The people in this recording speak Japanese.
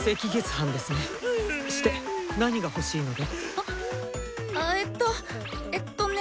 あ！あえっとえっとね。